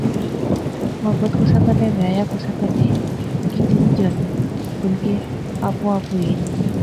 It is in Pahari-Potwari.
محبت کُسے کنے وہے یا کسے کنےکتی نی جانی بلکہ آپو آپ ہوئی اینی